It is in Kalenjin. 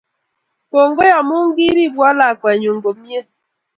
Kongoi amun keripwon lakwennyu komnyem